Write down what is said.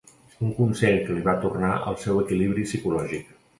Un consell que li va tornar el seu equilibri psicològic.